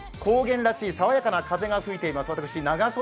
高原らしい爽やかな風が吹いています。